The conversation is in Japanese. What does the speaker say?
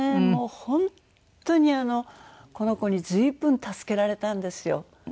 もう本当にこの子に随分助けられたんですよ。